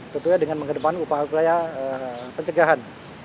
tentunya dengan mengedepan upaya pencegahan